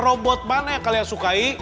robot mana yang kalian sukai